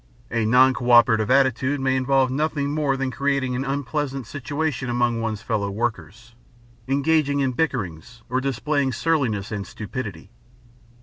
A non cooperative attitude may involve nothing more than creating an unpleasant situation among one's fellow workers, engaging in bickerings, or displaying surliness and stupidity.